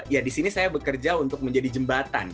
ya disini saya bekerja untuk menjadi jembatan